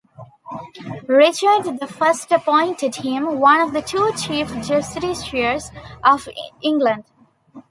Richard the First appointed him one of the two chief justiciars of England.